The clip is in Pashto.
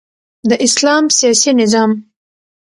د اسلام سیاسی نظام